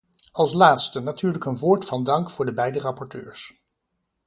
Als laatste, natuurlijk een woord van dank voor de beide rapporteurs.